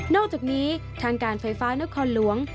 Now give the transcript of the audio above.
อกจากนี้ทางการไฟฟ้านครหลวง